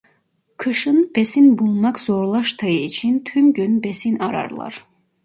Kışın besin bulmak zorlaştığı için tüm gün besin ararlar.